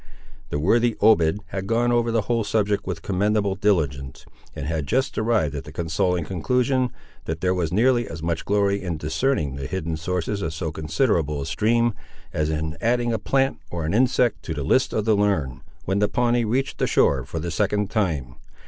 The worthy Obed had gone over the whole subject, with commendable diligence, and had just arrived at the consoling conclusion, that there was nearly as much glory in discerning the hidden sources of so considerable a stream, as in adding a plant, or an insect, to the lists of the learned, when the Pawnee reached the shore for the second time.